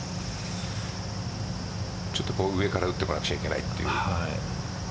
上から打ってこなくちゃいけないという。